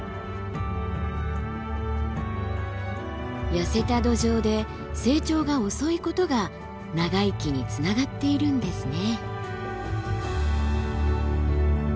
痩せた土壌で成長が遅いことが長生きにつながっているんですね。